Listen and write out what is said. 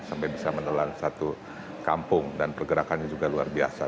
sampai bisa menelan satu kampung dan pergerakannya juga luar biasa